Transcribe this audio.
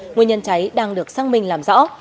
nguyên nhân cháy đang được xăng minh làm rõ